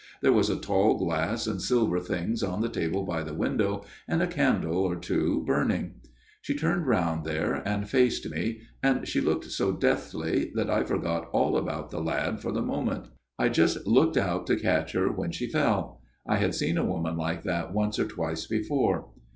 There was a tall glass and silver things on the table by the window, and a candle or 164 A MIRROR OF SHALOTT two burning. She turned round there and faced me, and she looked so deathly that I forgot all about the lad for the present. I just looked out to catch her when she fell. I had seen a woman like that once or twice before.